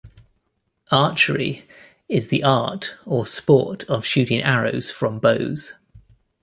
Archery is the art or sport of shooting arrows from bows.